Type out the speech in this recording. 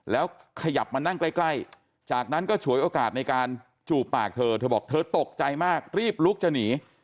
แล้วขยับมานั่งใกล้จากนั้นก็ฉวยโอกาสในการจูบปากเธอเธอบอกเธอตกใจมากรีบลุกจะหนี